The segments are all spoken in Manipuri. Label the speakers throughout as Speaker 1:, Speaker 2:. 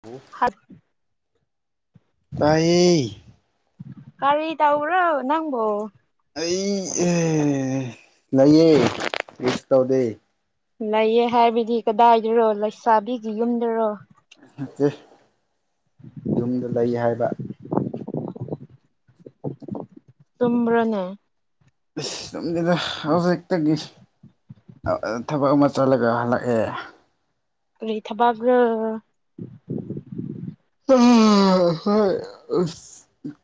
Speaker 1: ꯍ [inaudible] ꯇꯥꯏꯑꯦ
Speaker 2: ꯀꯔꯤ ꯇꯎ꯭ꯔꯣ ꯅꯪꯕꯣ
Speaker 1: ꯑꯩ ꯂꯩꯌꯦ ꯁꯨ ꯇꯧꯗꯦ
Speaker 2: ꯂꯩꯌꯦ ꯍꯥꯏꯕꯗꯤ ꯀꯗꯥꯏꯗꯔꯣ ꯂꯩꯁꯥꯕꯤꯒꯤ ꯌꯨꯝꯗꯨꯔꯣ
Speaker 1: ꯇꯦ ꯌꯨꯝꯗ ꯂꯩ ꯍꯥꯏꯕ
Speaker 2: ꯇꯝꯕ꯭ꯔꯅꯦ
Speaker 1: ꯗ ꯍꯧꯁꯛꯇꯁ ꯊꯕꯛ ꯑꯃ ꯆꯠꯂꯒ ꯍꯜꯂꯛꯑꯦ
Speaker 2: ꯀꯔꯤ ꯊꯕꯛꯔ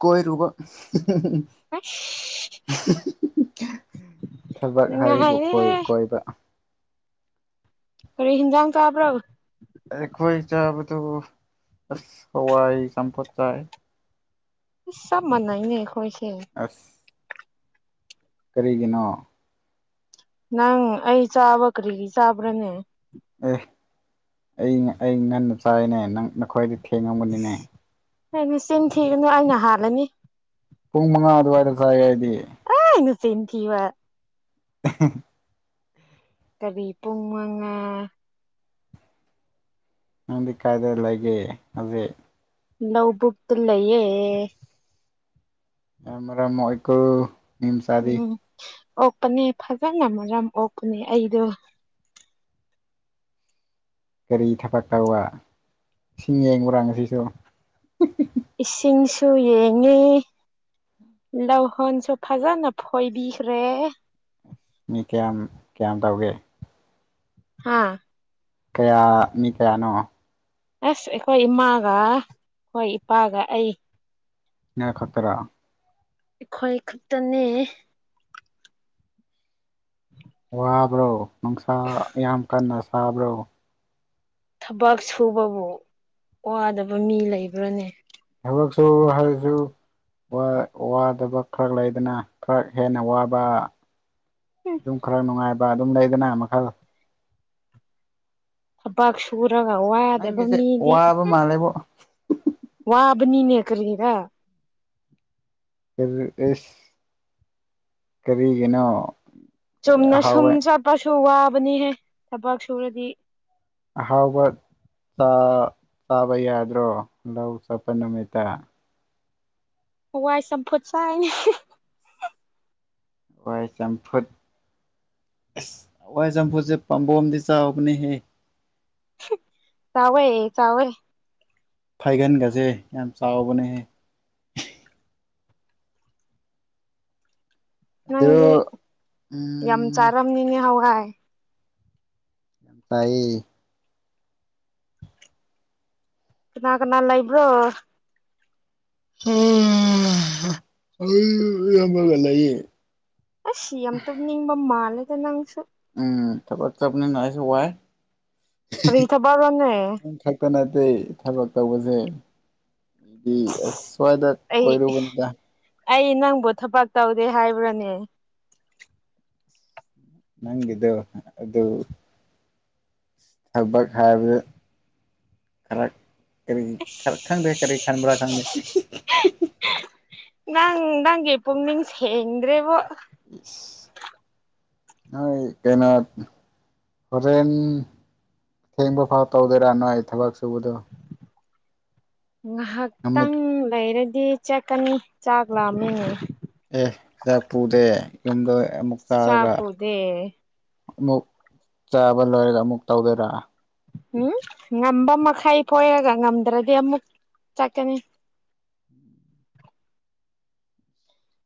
Speaker 1: ꯀꯣꯏꯔꯨꯕ ꯍ
Speaker 2: ꯑꯁ
Speaker 1: [inaudible] ꯊꯕꯛ ꯍꯥꯏꯕꯕꯨ ꯀꯣꯏ
Speaker 2: ꯅꯨꯡꯉꯥꯏꯔꯦꯍꯦ
Speaker 1: ꯀꯣꯏꯕ
Speaker 2: ꯈꯔ ꯏꯟꯖꯥꯡ ꯆ ꯍꯥꯕ꯭ꯔꯕ
Speaker 1: ꯑꯩꯈꯣꯏ ꯆꯕꯗꯨ ꯍꯋꯥꯏ ꯆꯄ ꯆꯥꯏ
Speaker 2: ꯁ ꯃꯅꯥꯏꯅꯦꯈꯣꯏꯁ
Speaker 1: ꯑꯁ ꯀꯔꯤꯒꯤꯅꯣ
Speaker 2: ꯅꯪ ꯑꯩ ꯆꯥꯕꯀꯔꯤ ꯆꯥꯕ꯭ꯔꯅꯦ
Speaker 1: ꯑꯦ ꯑꯩ ꯑꯩ ꯉꯟꯅ ꯆꯥꯏꯅꯦ ꯅꯪ ꯅꯈꯣꯏꯗꯤ ꯊꯦꯡꯉꯝꯕꯅꯤꯅꯦ
Speaker 2: ꯍꯥꯏꯗꯤ ꯆꯤꯟ ꯊꯤꯒꯅꯨ ꯑꯩꯅ ꯍꯥꯜꯂꯅꯤ
Speaker 1: ꯄꯨꯡ ꯃꯉꯥ ꯑꯗꯨꯋꯥꯏꯗ ꯆꯥꯏꯦ ꯍꯥꯏꯗꯤ
Speaker 2: ꯊꯕ
Speaker 1: [inaudible]
Speaker 2: ꯀꯕꯤ ꯄꯨꯉꯉ
Speaker 1: ꯅꯪꯗꯤ ꯀꯥꯏꯗ ꯂꯩꯒꯦ ꯍꯧꯖꯤꯛ
Speaker 2: ꯂꯧꯕꯨꯇ ꯂꯩꯌꯦꯦ
Speaker 1: ꯑꯝꯣꯏꯀ
Speaker 2: ꯎꯝ ꯑꯣꯛꯄꯅꯦ ꯐꯖꯅ ꯃꯔꯝ ꯑꯣꯛꯄꯅꯦ ꯑꯩꯗꯣ
Speaker 1: ꯒꯥꯔꯤ ꯊꯕꯛ ꯇꯧꯕ ꯏꯁꯤꯡ ꯌꯦꯡꯕꯨꯔꯥꯡꯁꯤꯁꯨ
Speaker 2: ꯏꯁꯤꯡꯁꯨ ꯌꯦꯡꯉꯤ ꯂꯧꯍꯣꯟꯁꯨ ꯐꯖꯅ ꯐꯣꯏꯕꯤꯈ꯭ꯔꯦ
Speaker 1: ꯃꯤ ꯀꯌꯥꯝ ꯀꯌꯥꯝ ꯇꯧꯒꯦ
Speaker 2: ꯍꯥꯥ
Speaker 1: ꯀꯌꯥ ꯃꯤ ꯀꯌꯥꯅꯣ
Speaker 2: ꯑꯁ ꯑꯩꯈꯣꯏ ꯏꯃꯥꯒ ꯑꯩꯈꯣꯏ ꯏꯄꯥꯒ ꯑꯩ
Speaker 1: ꯏꯅ ꯈꯇꯔ
Speaker 2: ꯑꯩꯈꯣꯏ ꯈꯛꯇꯅꯦ
Speaker 1: ꯋꯥꯕ꯭ꯔꯣ ꯅꯨꯡꯁꯥ ꯌꯥꯝ ꯀꯟꯅ ꯁꯥꯕ꯭ꯔꯣ
Speaker 2: ꯊꯕꯛ ꯁꯨꯕꯕꯨ ꯋꯥꯗꯕ ꯃꯤ ꯂꯩꯕ꯭ꯔꯥꯅꯦ
Speaker 1: ꯊꯛꯁꯨ ꯍꯥꯏꯁꯨ ꯋꯥꯗꯕ ꯈꯔ ꯂꯩꯗꯅ ꯈꯔ ꯍꯦꯟꯅ ꯋꯥꯕ ꯑꯗꯨꯝ ꯈꯔ ꯅꯨꯡꯉꯥꯏꯕ ꯑꯗꯨꯝ ꯂꯩꯗꯅ ꯃꯈꯜ
Speaker 2: ꯊꯕꯛ ꯁꯨꯔꯒ ꯋꯥꯗꯕ
Speaker 1: ꯅꯪꯒꯤꯁꯦ
Speaker 2: ꯃꯤꯗꯤ
Speaker 1: ꯋꯥꯕ ꯃꯥꯜꯂꯦꯕꯣ
Speaker 2: ꯋꯥꯕꯅꯤꯅꯦꯀꯦꯒ
Speaker 1: ꯐ ꯑꯦ ꯀꯔꯤꯒꯤꯅꯣ
Speaker 2: ꯆꯨꯝꯅ ꯁꯨꯝ
Speaker 1: ꯑꯍꯥꯎꯕ
Speaker 2: ꯆꯠꯄꯁꯨ ꯋꯥꯕꯅꯤꯍꯦ ꯊꯕꯛ ꯁꯨꯔꯗꯤ
Speaker 1: ꯍꯥꯎꯕ ꯆ ꯆꯥꯕ ꯌꯥꯗ꯭ꯔꯣ ꯂꯋ ꯆꯄ ꯅꯨꯃꯤꯠꯇ
Speaker 2: ꯋꯥꯏ ꯁ ꯄꯣꯠꯁ
Speaker 1: ꯍꯏ ꯆꯝꯐꯨꯠ ꯋꯥꯏ ꯆꯝꯐꯨꯁꯦ ꯄꯥꯝꯕꯝꯗꯤ ꯆꯥꯕꯅꯤ ꯍꯦ
Speaker 2: ꯆꯕꯌꯦ ꯆꯋꯣꯏ
Speaker 1: ꯐꯥꯏꯒꯟꯒꯁꯦ ꯌꯥꯝ ꯆꯥꯎꯕꯅꯦꯍꯦ
Speaker 2: ꯅꯪꯗꯤ
Speaker 1: ꯑꯗꯨ
Speaker 2: ꯌꯥꯝ
Speaker 1: ꯎꯝ
Speaker 2: ꯆꯥꯔꯝꯅꯤꯅꯦ ꯍ ꯍꯥꯏ
Speaker 1: ꯌꯥꯝ ꯇꯥꯏ
Speaker 2: ꯂꯅꯥꯀꯅꯥꯜꯥꯏꯕ꯭ꯔꯣ
Speaker 1: ꯑꯩꯒꯌꯦ
Speaker 2: ꯑ ꯁꯤ ꯌꯥꯝꯇ ꯅꯤꯡꯕ ꯃꯥꯜꯂꯗ ꯅꯪꯁꯨ
Speaker 1: ꯎꯝ ꯊ ꯆꯞꯅ ꯅꯥꯏꯁꯨ ꯋꯥꯥꯏ
Speaker 2: ꯀꯔꯤ ꯊꯕꯛꯔꯣꯅꯦ
Speaker 1: ꯅꯪ ꯈꯛꯇ ꯅꯠꯇꯦ ꯊꯕꯛ ꯇꯧꯕꯁꯦ ꯗꯤꯁꯣꯏꯗ
Speaker 2: ꯑꯩ
Speaker 1: ꯀꯔꯨꯕꯅꯤꯗ
Speaker 2: ꯑꯩ ꯅꯪꯕꯨ ꯊꯕꯛ ꯇꯧꯗꯦ ꯍꯥꯏꯕ꯭ꯔꯥꯅꯦ
Speaker 1: ꯅꯪꯗ ꯑꯗꯨꯗ ꯊꯕꯛ ꯍꯥꯏꯕꯗ ꯈꯔ ꯀꯔꯤ ꯈꯪꯗꯦ ꯀꯔꯤ ꯈꯟꯕ꯭ꯔꯥ ꯈꯪꯗꯦ
Speaker 2: ꯅꯪ ꯅꯪ ꯏ ꯄꯣ ꯅꯤꯡꯁ ꯍꯦꯡꯗ꯭ꯔꯦꯕꯣ
Speaker 1: [unintelligible] ꯅ ꯀꯩꯅꯩꯅꯣ ꯍꯣꯔꯦꯟ ꯊꯦꯡꯕ ꯐꯥꯎ ꯇꯧꯗꯣꯏꯔꯥ ꯅꯣ ꯑꯩ ꯊꯕꯛ ꯁꯨꯕꯗꯣ ꯅꯨꯃꯤꯠ
Speaker 2: ꯉꯥꯏꯍꯥꯛꯇꯪ ꯂꯩꯔꯗꯤ ꯆꯠꯀꯅꯤ ꯆꯥꯛ ꯂꯥꯃꯤꯅꯤ
Speaker 1: ꯑꯦ ꯆꯥꯛ ꯄꯨꯗꯦ ꯌꯨꯝꯗ ꯑꯃꯨꯛ ꯆꯥꯔꯒ
Speaker 2: ꯆꯥꯀꯨꯗꯦ
Speaker 1: ꯑꯃꯨꯛ ꯆꯥꯕ ꯂꯣꯏꯔꯒ ꯑꯃꯨꯛ ꯇꯧꯗꯣꯏꯔ
Speaker 2: ꯎꯝ ꯉꯝꯕ ꯃꯈꯩ ꯄꯣꯏꯔꯒ ꯉꯝꯗ꯭ꯔꯗꯤ ꯑꯃꯨꯛ ꯆꯠꯀꯅꯤ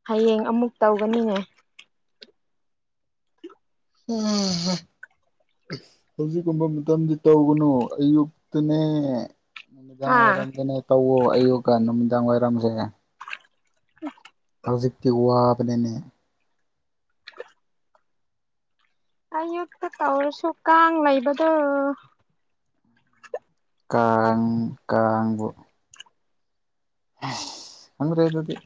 Speaker 2: ꯍꯌꯦꯡ ꯑꯃꯨꯛ ꯇꯧꯒꯅꯤꯉ
Speaker 1: ꯎꯝ ꯍꯧꯖꯤꯛꯀꯨꯝꯕ ꯃꯇꯝꯗꯤ ꯇꯧꯒꯅꯨ ꯑꯌꯨꯛꯇꯅꯦ ꯅꯨꯃꯤꯗꯥꯡ
Speaker 2: ꯍꯥ
Speaker 1: ꯋꯥꯏꯔꯝꯗꯅꯦ ꯇꯧꯋ ꯑꯌꯨꯛꯀ ꯅꯨꯃꯤꯗꯥꯡ ꯋꯥꯏꯔꯝꯁꯦ
Speaker 2: ꯎ
Speaker 1: ꯑꯖꯤꯛꯀꯤ ꯋꯥꯕꯅꯦꯅꯦ
Speaker 2: [unintelligible] ꯑꯌꯨꯛꯇ ꯇꯧꯔꯁꯨ ꯀꯥꯡ ꯂꯩꯕꯗꯣ
Speaker 1: ꯀꯥꯡ ꯀꯥꯡꯕꯨ ꯈ꯭ꯔꯦ ꯑꯗꯨ ꯑꯗꯨꯗꯤ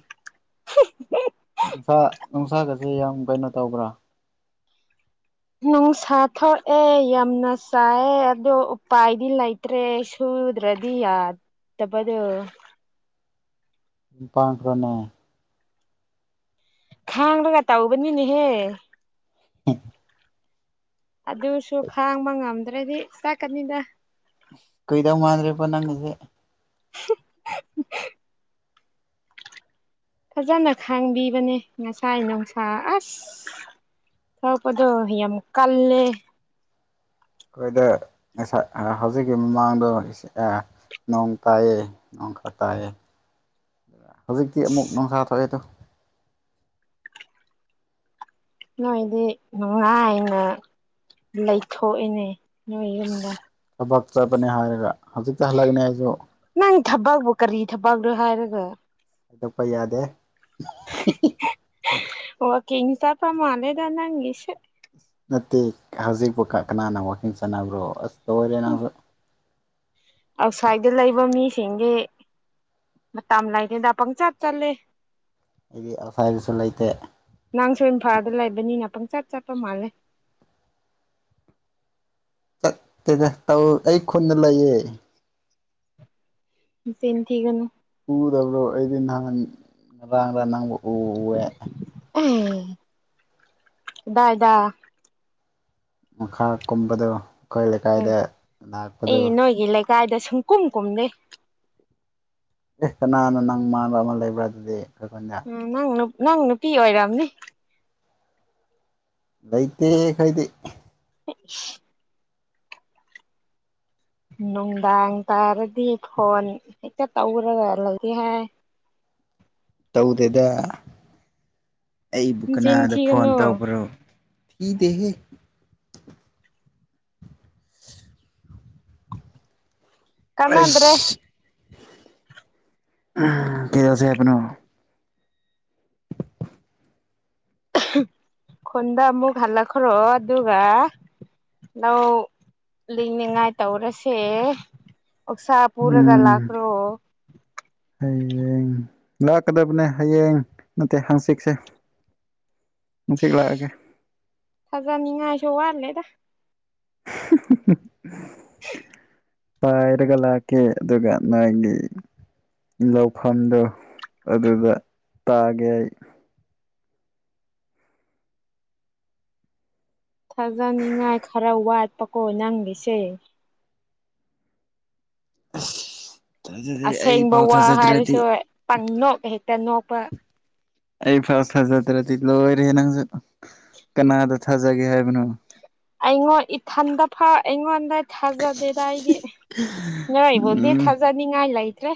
Speaker 2: [unintelligible]
Speaker 1: ꯅꯨꯡꯁꯥ ꯅꯨꯡꯁꯥꯒꯁꯦ ꯌꯥꯝ ꯀꯩꯅꯣ ꯇꯧꯕ꯭ꯔꯥ
Speaker 2: ꯅꯨꯡꯁꯥ ꯊꯣꯛꯑꯦ ꯌꯥꯝꯅ ꯆꯥꯏꯑ ꯑꯗꯣ ꯎꯄꯥꯏꯗꯤ ꯂꯩꯇ꯭ꯔꯦꯁꯨ ꯎꯗ꯭ꯔꯗꯤ ꯇꯕ ꯑꯗꯨ
Speaker 1: ꯏꯄꯥꯥꯡꯈ꯭ꯔꯣꯅꯦꯦ
Speaker 2: ꯈꯥꯡ꯭ꯔꯒ ꯇꯎꯕꯅꯤꯅꯦꯍꯦ
Speaker 1: ꯎ
Speaker 2: ꯑꯗꯨꯁꯨ ꯈꯥꯡꯕ ꯉꯝꯗ꯭ꯔꯗꯤ ꯆꯥꯛꯀꯅꯤꯗ
Speaker 1: ꯀꯩꯗꯧ ꯃꯥꯥꯟꯗ꯭ꯔꯦꯕ ꯅꯪꯁꯦ
Speaker 2: [unintelligible] ꯐꯖꯅ ꯈꯥꯡꯕꯤꯕꯅꯦ ꯉꯁꯥꯏ ꯅꯨꯡꯁꯥ ꯑꯁ ꯊꯄꯗꯣ ꯌꯥꯝ ꯌꯥꯝ ꯀꯜꯂꯦ
Speaker 1: ꯑꯩꯈꯣꯏꯗ ꯉꯁꯥꯏ ꯍꯧꯖꯤꯛꯀꯤ ꯃꯃꯥꯡꯗꯣ ꯅꯣꯡ ꯇꯥꯏꯌꯦ ꯅꯣꯡꯀ ꯇꯥꯏꯦ
Speaker 2: [inaudible]
Speaker 1: ꯍꯧꯖꯤꯛꯇꯤ ꯑꯃꯨꯛ ꯅꯣꯡꯁꯥ ꯊꯣꯛꯑꯦꯗꯣ
Speaker 2: ꯅꯣꯏꯗꯤ ꯅꯨꯡꯉꯥꯏꯅ ꯂꯩꯊꯣꯛꯏꯅꯦ ꯏꯔ ꯃꯗ
Speaker 1: ꯊꯕꯛ ꯆꯠꯄꯅꯦ ꯍꯥꯏꯔꯒ ꯍꯧꯖꯤꯛꯇ ꯍꯜꯂꯛꯅꯦ ꯑꯩꯁꯨ
Speaker 2: ꯈꯤꯪ ꯊꯕꯛꯕꯨ ꯀꯔꯤ ꯊꯕꯛꯅꯣ ꯍꯥꯏꯔꯒ
Speaker 1: ꯑꯗꯄ ꯌꯥꯗꯦ
Speaker 2: ꯑꯣ ꯀꯤꯡꯁ ꯐ ꯃꯥꯅꯦꯗ ꯅꯪꯒꯤꯁꯦ
Speaker 1: ꯅꯠꯇꯦ ꯍꯧꯖꯤꯛꯄ ꯀꯅꯥꯅ ꯋꯥꯛꯀꯤꯡ ꯆꯠꯅꯕ꯭ꯔꯣ ꯑꯁꯇ ꯑꯣꯏꯔꯦ
Speaker 2: ꯎꯝ
Speaker 1: ꯅꯪꯁꯨ
Speaker 2: ꯑꯥꯎꯠꯁꯥꯏꯗ ꯂꯩꯕ ꯃꯤꯁꯤꯡꯒꯤ ꯃꯇꯝ ꯂꯥꯏꯅꯤꯡꯗ ꯄꯪ ꯆꯥ ꯆꯠꯂꯦ
Speaker 1: ꯑꯩꯗꯤ ꯑꯁꯥꯏꯗꯁꯨ ꯂꯩꯇꯦ
Speaker 2: ꯅꯪ ꯁꯣꯏ ꯏꯝꯐꯥꯜꯗ ꯂꯩꯕꯅꯤꯅ ꯄ ꯆꯠ ꯆꯠ ꯃꯥꯂꯦ
Speaker 1: ꯆꯦ ꯇꯧ ꯑꯩ ꯈꯨꯅ ꯂꯩꯌꯦ
Speaker 2: ꯐꯅꯤ ꯊꯒꯅ
Speaker 1: ꯎꯗꯕ꯭ꯔꯣ ꯑꯩꯗꯤ ꯅꯍꯥꯟ ꯉꯔꯥꯡꯒ ꯅꯪꯕ ꯎꯋꯦ
Speaker 2: ꯎꯝꯗꯥꯗꯥ
Speaker 1: ꯃꯈꯥ ꯀꯨꯝꯕꯗꯨ ꯑꯩꯈꯣꯏ ꯂꯩꯀꯥꯏꯗ ꯂꯥꯛꯄꯗꯨ
Speaker 2: ꯀꯗꯥꯥꯏꯗ ꯁꯨꯡ ꯀꯨꯝ ꯀꯨꯝꯗꯦ
Speaker 1: ꯀꯅꯥꯅ ꯅꯪ ꯃꯥꯟꯕ ꯑꯃ ꯂꯩꯕ꯭ꯔꯥ ꯑꯗꯨꯗꯤ ꯈꯨꯟꯗ
Speaker 2: ꯎꯝ ꯅꯪ ꯅꯪ ꯅꯨꯄꯤ ꯑꯣꯏꯔꯝꯅꯤ
Speaker 1: ꯂꯩꯩꯇꯦ ꯈꯣꯏꯗꯤ
Speaker 2: [unintelligible] ꯅꯨꯡꯗꯥꯡ ꯇꯥꯔꯗꯤ ꯐꯣꯟ ꯍꯦꯛꯇ ꯇꯧꯔꯒ ꯂꯩꯔꯦ ꯍꯥꯏ
Speaker 1: ꯇꯧꯗꯦꯗ ꯑꯩꯕꯨ
Speaker 2: ꯆꯤꯟ
Speaker 1: ꯀꯅꯥꯗ ꯐꯣꯟ
Speaker 2: ꯊꯤꯒꯅꯨ
Speaker 1: ꯇꯧꯕ꯭ꯔꯣ ꯄꯤꯗꯦꯍꯦ
Speaker 2: ꯀꯥꯟꯅꯗ꯭ꯔꯦ
Speaker 1: ꯑꯩꯁ ꯎꯝ ꯀꯩꯗꯧꯁꯦ ꯍꯥꯏꯕꯥꯅꯣ
Speaker 2: ꯈꯨꯟ ꯗ ꯑꯃꯨꯛ ꯍꯜꯂꯛꯈꯔꯣ ꯑꯗꯨꯒ ꯂꯧ ꯂꯤꯡꯅꯤꯉꯥꯏ ꯇꯧꯔꯁꯦ ꯑꯣꯛꯁꯥ ꯄꯨꯔꯒ
Speaker 1: ꯎꯝ
Speaker 2: ꯂꯥꯛꯈ꯭ꯔꯣ
Speaker 1: ꯍꯌꯦꯡ ꯂꯥꯛꯀꯗꯕꯅꯦ ꯍꯌꯦꯡ ꯅꯠꯇꯦ ꯍꯪꯆꯤꯛꯁꯦ ꯍꯪꯆꯤꯛ ꯂꯥꯛꯑꯒꯦ
Speaker 2: ꯁꯨ ꯋꯥꯠꯂꯦꯗꯥ
Speaker 1: [unintelligible]
Speaker 2: [unintelligible]
Speaker 1: ꯄꯥꯏꯔꯒꯥ ꯂꯥꯛꯀꯦ ꯑꯗꯨꯒ ꯅꯣꯏꯒꯤ ꯂꯧꯐꯝꯗꯣ ꯑꯗꯨꯗ ꯇꯥꯒꯦ ꯑꯩ
Speaker 2: ꯊꯥꯖꯅꯤꯡꯉꯥꯏ ꯈꯔ ꯋꯥꯠꯄꯀꯣ ꯅꯪꯒꯤꯁꯦ
Speaker 1: ꯑꯁ
Speaker 2: ꯑꯁꯦꯡꯕ ꯋꯥ ꯍꯥꯏꯔꯁꯨ ꯄꯪ ꯅꯣꯛ ꯍꯦꯛꯇ ꯅꯣꯛꯄ
Speaker 1: ꯑꯩ ꯐꯁ ꯊꯥꯖꯗ꯭ꯔꯗꯤ ꯂꯣꯏꯔꯦ ꯅꯪꯁꯨ ꯀꯅꯥꯗ ꯊꯥꯖꯒꯦ ꯍꯥꯏꯕꯅꯣ
Speaker 2: ꯑꯩꯉꯣꯟ ꯏꯊꯟꯗ ꯐꯥꯎ ꯑꯩꯉꯣꯟꯗ ꯊꯥꯖꯥ ꯗꯦꯗ ꯑꯩꯗꯤ ꯅꯣꯏꯕꯨꯗꯤ ꯊꯥꯖꯥꯅꯤꯡꯉꯥꯏ ꯂꯩꯇ꯭ꯔꯦ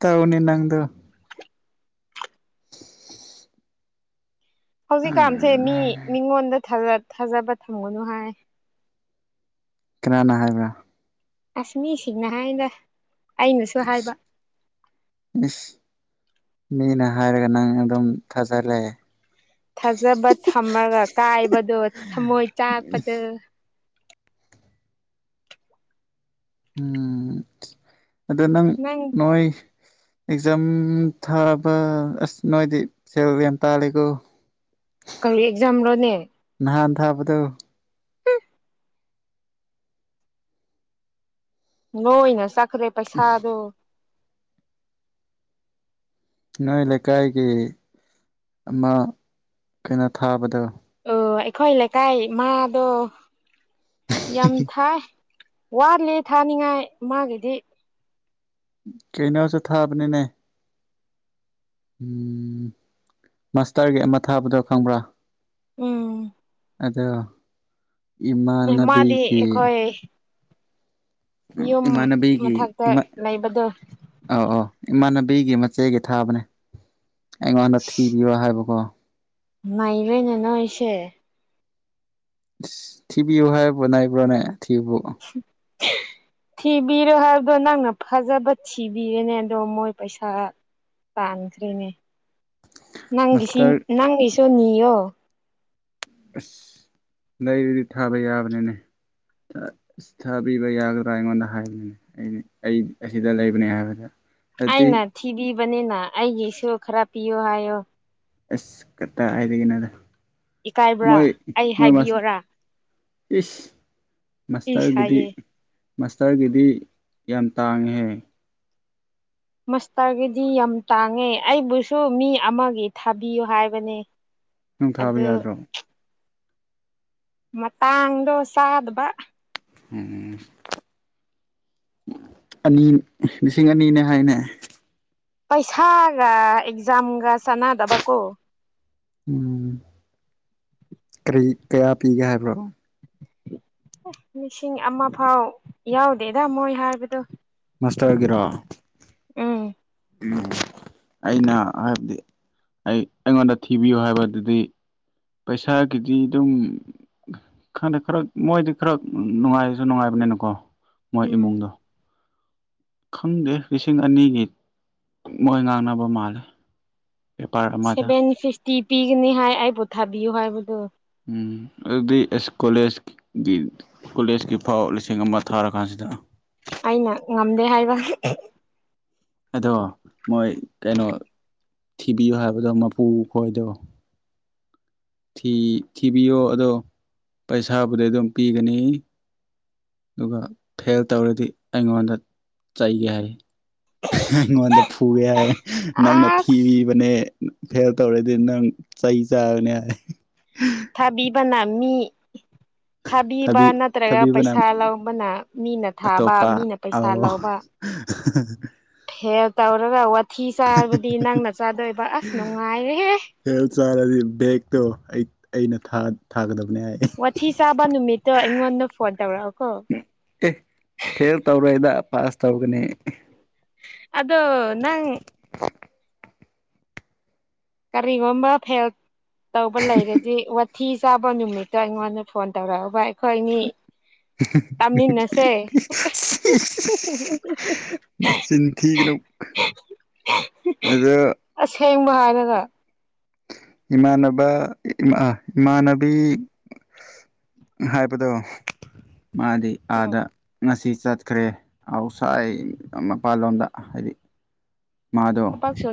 Speaker 1: ꯇꯥꯎꯅꯤ ꯅꯪꯗꯨ
Speaker 2: ꯍꯧꯖꯤꯛꯀꯥꯟꯁꯦ ꯃꯤ
Speaker 1: ꯎꯝ
Speaker 2: ꯃꯤꯉꯣꯟꯗ ꯊꯥꯖꯕ ꯊꯝꯒꯅꯨ ꯍꯥꯏ
Speaker 1: ꯀꯅꯥꯅ ꯍꯥꯏꯕ꯭ꯔꯥ
Speaker 2: ꯑꯁꯃꯤꯁꯤꯡꯅ ꯍꯥꯏꯗ ꯑꯩꯅꯁꯨ
Speaker 1: ꯏꯁ
Speaker 2: ꯍꯥꯏꯕ
Speaker 1: ꯏꯁ ꯃꯤꯅ ꯍꯥꯏꯔꯒ ꯅꯪ ꯑꯗꯨꯝ ꯊꯥꯖꯔꯛꯑꯦ
Speaker 2: ꯊꯥꯖꯕ ꯊꯝꯃꯒ ꯀꯥꯏꯕꯗꯣ ꯊꯝꯃꯣꯏ ꯆꯥꯛꯄꯗꯣ
Speaker 1: ꯎꯝ ꯑꯗꯨ ꯅꯪ ꯅꯣꯏ ꯑꯦꯛꯖꯥꯝ ꯊꯥꯕ ꯑꯁ ꯅꯣꯏꯗꯤ ꯁꯦꯜ ꯌꯥꯝ ꯇꯥꯜꯂꯦꯀꯣ
Speaker 2: ꯀꯔꯤ ꯑꯦꯛꯖꯝ ꯔꯣ ꯅꯦ
Speaker 1: ꯍꯥꯟ ꯊꯥꯕꯗꯧ
Speaker 2: ꯅꯣꯏꯅ ꯆꯠꯈ꯭ꯔꯦ ꯄꯩꯁꯥꯗꯣ
Speaker 1: ꯅꯣꯏ ꯂꯩꯀꯥꯏꯒꯤ ꯑꯃ ꯀꯩꯅꯣ ꯊꯥꯕꯗꯣ
Speaker 2: ꯑꯣ ꯑꯩꯈꯣꯏ ꯂꯩꯀꯥꯏ ꯃꯥꯥꯗꯣ ꯌꯥꯝ ꯊꯥꯏ ꯋꯥꯠꯂꯤ ꯊꯥꯅꯤꯡꯉꯥꯏ ꯃꯥꯒꯤꯗꯤ
Speaker 1: ꯀꯩꯅꯣꯁꯦ ꯊꯥꯕꯅꯤꯅꯦ ꯎꯝ ꯃꯁꯇꯔꯒꯤ ꯑꯃ ꯊꯥꯕꯗꯣ ꯈꯪꯕ꯭ꯔꯥ
Speaker 2: ꯎꯝ
Speaker 1: ꯑꯗꯣ
Speaker 2: ꯃꯥꯗꯤ
Speaker 1: ꯏꯃꯅꯕꯤꯒꯤ
Speaker 2: ꯑꯩꯈꯣꯏ
Speaker 1: ꯎ
Speaker 2: ꯌꯨꯝ
Speaker 1: ꯏꯃꯥꯟꯅꯕꯤꯒꯤ
Speaker 2: ꯃꯊꯛꯇ
Speaker 1: ꯏꯃ
Speaker 2: ꯂꯩꯕꯗꯣ
Speaker 1: ꯑ ꯑ ꯏꯃꯥꯟꯅꯕꯤ ꯕꯤꯒꯤ ꯃꯆꯦꯒꯤ ꯊꯥꯕꯅꯦ ꯑꯩꯉꯣꯟꯗ ꯊꯤꯕꯤꯌꯣ ꯍꯥꯏꯕꯀꯣ
Speaker 2: ꯅꯩꯔꯦꯅꯦ ꯅꯣꯌꯁꯦ
Speaker 1: ꯊꯤꯕꯤꯌꯨ ꯍꯥꯏꯕ꯭ꯔꯣ ꯅꯩꯕꯔꯣꯅꯦ ꯊꯤꯕꯨ
Speaker 2: [unintelligible] ꯊꯤꯕꯤꯔꯣ ꯍꯥꯏꯕꯗꯣ ꯅꯪꯅ ꯐꯖꯕ ꯊꯤꯕꯤꯔꯦꯅꯦ ꯑꯗꯣ ꯃꯣꯏ ꯄꯩꯁꯥ ꯇꯥꯟꯈ꯭ꯔꯦꯅꯦ ꯅꯪꯒꯤꯁꯤ
Speaker 1: ꯃꯁꯇꯔ
Speaker 2: ꯅꯪꯒꯤꯁꯨ ꯅꯤꯌꯣ
Speaker 1: ꯑꯁ ꯂꯩꯗꯨꯗꯤ ꯊꯥꯕ ꯌꯥꯕꯅꯤꯅꯦ ꯊꯥꯕꯤꯕ ꯌꯥꯒꯗ꯭ꯔꯥ ꯑꯩꯉꯣꯟꯗ ꯍꯥꯏꯕꯅꯦ ꯑꯩ ꯑꯁꯤꯗ ꯂꯩꯕꯅꯦ ꯍꯥꯏꯕꯗ
Speaker 2: ꯑꯩꯅ
Speaker 1: ꯑꯗꯨꯗꯤ
Speaker 2: ꯊꯤꯕꯤꯕꯅꯤꯅ ꯑꯩꯒꯤꯁꯨ ꯈꯔ ꯄꯤꯌꯨ ꯍꯥꯏꯌꯣ
Speaker 1: ꯑꯁ ꯀꯇꯥ ꯍꯥꯏꯗꯒꯤꯅꯗ
Speaker 2: ꯏꯀꯥꯏꯕ꯭ꯔꯥ ꯑꯩ ꯍꯥꯏꯕꯤꯌꯣꯔꯥ
Speaker 1: ꯏ
Speaker 2: ꯏꯁ
Speaker 1: ꯃꯥꯁꯇꯔꯒꯤꯗꯤꯔꯤ
Speaker 2: ꯍꯥꯏꯌꯦ
Speaker 1: ꯃꯥꯁꯇꯔꯒꯤꯗꯤ ꯌꯥꯝ ꯇꯥꯡꯉꯦꯍꯦ
Speaker 2: ꯃꯥꯁꯇꯔꯒꯤꯗꯤ ꯌꯥꯝ ꯇꯥꯡꯉꯦ ꯑꯩꯕꯨꯁꯨ ꯃꯤ ꯑꯃꯒꯤ ꯊꯥꯕꯤꯌꯨ ꯍꯥꯏꯕꯅꯦ
Speaker 1: ꯅꯨꯡ ꯊꯥꯕ
Speaker 2: ꯑꯗꯨ
Speaker 1: ꯌꯥꯗ꯭ꯔꯣ
Speaker 2: ꯃꯪꯗ ꯁꯥꯗꯕ
Speaker 1: ꯎꯝ ꯑꯅꯤ ꯂꯤꯁꯤꯡ ꯑꯅꯤꯅꯦ ꯍꯥꯏꯅꯦ
Speaker 2: ꯄꯩꯁꯥꯒ ꯑꯦꯛꯖꯥꯝꯒ ꯆꯥꯟꯅꯗꯕꯀꯣ
Speaker 1: ꯎꯝ ꯀꯔꯤ ꯀꯌꯥ ꯄꯤꯒꯦ ꯍꯥꯏꯕ꯭ꯔꯣ
Speaker 2: ꯑꯦ ꯂꯤꯁꯤꯡ ꯑꯃ ꯐꯥꯎ ꯌꯥꯎꯗꯦꯗ ꯃꯣꯏ ꯍꯥꯏꯕꯗꯣ
Speaker 1: ꯃꯁꯇꯒꯔꯥ
Speaker 2: ꯎꯝ
Speaker 1: ꯎꯝ ꯑꯩꯅ ꯍꯥꯏꯕꯗꯤ ꯑꯩ ꯑꯩꯉꯣꯟꯗ ꯊꯤꯕꯤꯌꯨ ꯍꯥꯏꯕꯗꯨꯗꯤ ꯄꯩꯁꯥꯒꯤꯗꯤ ꯑꯗꯨꯝ ꯈꯪꯗꯦ ꯈꯔ ꯃꯣꯏꯗꯤ ꯈꯔ ꯅꯨꯡꯉꯥꯏꯁꯨ ꯅꯨꯡꯉꯥꯏꯕ ꯑꯣꯅꯀꯣ ꯃꯣꯏ
Speaker 2: ꯎꯝ
Speaker 1: ꯎꯃꯨꯡꯗ ꯈꯪꯗꯦ ꯂꯤꯁꯤꯡ ꯑꯅꯤꯒꯤ ꯃꯣꯏ ꯉꯥꯡꯅꯕ ꯃꯥꯜꯂꯦ ꯄꯦꯄꯔ ꯑꯃꯗ
Speaker 2: ꯁꯚꯦꯟ ꯐꯤꯐꯇꯤ ꯄꯤꯒꯅꯤ ꯍꯥꯏ ꯑꯩ ꯄꯣ ꯊꯥꯕꯤꯌꯨ ꯍꯥꯏꯕꯗꯨ
Speaker 1: ꯎꯝ ꯑꯗꯨꯗꯤ ꯑꯦꯁ ꯀꯣꯂꯦꯖꯀꯤ ꯀꯣꯂꯦꯖꯀꯤ ꯐꯥꯎ ꯂꯤꯁꯤꯡ ꯑꯃ ꯊꯥꯔꯀꯥꯟꯁꯤꯗ
Speaker 2: ꯑꯩꯅ ꯉꯝꯗꯦ ꯍꯥꯏꯕ
Speaker 1: ꯑꯗꯣ ꯃꯣꯏ ꯀꯩꯅꯣ ꯊꯤꯕꯤꯌꯨ ꯍꯥꯏꯕꯗꯣ ꯃꯄꯨ ꯀꯣꯏꯗꯣ ꯊꯤꯕꯤꯌꯣ ꯑꯗꯣ ꯄꯩꯁꯥꯕꯨꯗꯤ ꯑꯗꯨꯝ ꯄꯤꯒꯅꯤ ꯑꯗꯨꯒ ꯐꯦꯜ ꯇꯧꯔꯗꯤ ꯑꯩꯉꯣꯟꯗ ꯆꯩꯒꯦ ꯍꯥꯏ ꯍꯉꯣꯟꯗ ꯐꯨꯋꯦ ꯅꯪꯅ
Speaker 2: ꯑꯁ
Speaker 1: ꯊꯤꯕꯅꯦ ꯐꯦꯜ ꯇꯧꯔꯗꯤ ꯅꯪ ꯆꯩ ꯆꯥꯕꯅꯦ ꯍꯥꯏ
Speaker 2: ꯊꯥꯕꯤꯕꯅ ꯃꯤ ꯊꯥꯕꯤꯕ
Speaker 1: ꯊꯕꯤ
Speaker 2: ꯅꯠꯇ꯭ꯔꯒ
Speaker 1: ꯊꯥꯕꯤꯕꯅ
Speaker 2: ꯄꯩꯁꯥ ꯂꯧꯕꯅ ꯃꯤꯅ ꯊꯥꯕ
Speaker 1: ꯑꯇꯣꯞꯄ
Speaker 2: ꯃꯤꯅ ꯄꯩꯁꯥ
Speaker 1: ꯑꯧ
Speaker 2: ꯂꯧꯕ
Speaker 1: [unintelligible]
Speaker 2: ꯐꯦ ꯇꯧꯔꯒ ꯋꯥꯊꯤ ꯆꯥꯔꯕꯗꯤ ꯅꯪꯅ ꯆꯥꯗꯣꯏꯕ ꯑꯁ ꯅꯨꯡꯉꯥꯏꯔꯦꯍꯦ
Speaker 1: ꯍꯦꯜ ꯆꯥꯔꯗꯤ ꯕꯦꯛꯇꯣ ꯑꯩ ꯑꯩꯅ ꯊꯥꯒꯗꯕ
Speaker 2: ꯋꯥꯊꯤ ꯆꯥꯕ ꯅꯨꯃꯤꯠꯇꯣ ꯑꯩꯉꯣꯟꯗ ꯐꯣꯟ ꯇꯧꯔꯛꯑꯣ ꯀꯣ
Speaker 1: ꯑꯦ ꯐꯦꯜ ꯇꯧꯔꯣꯏꯗ ꯄꯥꯁ ꯇꯧꯒꯅꯤ
Speaker 2: ꯑꯗꯣ ꯅꯪ ꯀꯔꯤꯒꯨꯝꯕ ꯐꯦꯜ ꯇꯧꯕ ꯂꯩꯔꯗꯤ ꯐꯤ ꯆꯥꯕ ꯅꯨꯃꯤꯠꯇꯣ ꯑꯩꯉꯣꯟꯗ ꯐꯣꯟ ꯇꯧꯔꯛꯑ ꯑꯩꯈꯣꯏꯅꯤ ꯇꯝꯅꯤꯅꯁꯦ
Speaker 1: ꯃꯁꯤ ꯆꯤꯟ ꯊꯤꯒꯅꯨ ꯑꯗꯣ
Speaker 2: ꯑꯁꯦꯡꯕ ꯍꯥꯏꯗꯅ
Speaker 1: ꯏꯃꯥꯟꯅꯕ ꯏꯃ ꯏꯃꯥꯟꯅꯕꯤ ꯍꯥꯏꯕꯗꯣ ꯃꯥꯗꯤ
Speaker 2: ꯎꯝ
Speaker 1: ꯑꯥꯗ ꯉꯁꯤ ꯆꯠꯈ꯭ꯔꯦ ꯑꯥꯎꯠꯁꯥꯏꯠ ꯃꯄꯥꯟꯂꯣꯝꯗ ꯍꯥꯏꯗꯤ ꯃꯥꯗꯣ
Speaker 2: ꯊꯕꯛ ꯁꯨ